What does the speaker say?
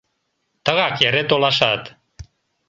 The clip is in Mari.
Тыгак эре толашат.